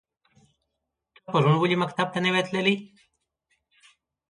ته پرون ولی مکتب ته نه وی تللی؟